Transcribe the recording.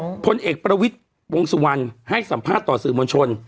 พลเอกประวิทย์วงสุวรรณให้สัมภาษณ์ต่อสื่อมวลชน